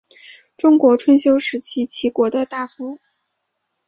中国春秋时期齐国的大夫。